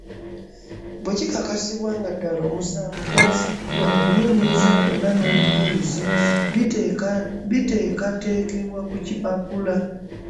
Bwe kikakasibwa nga ddala omusango gwazzidwa, okunoonyereza kwonna n’obujjulizi biteekateekebwa ku kipapula.